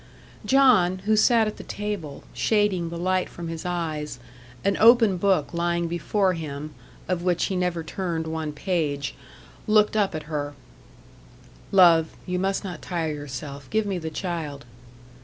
John who sat at the table, shading the light from his eyes, an open book lying before him, of which he never turned one page looked up at her. "Love, you must not tire yourself. Give me the child."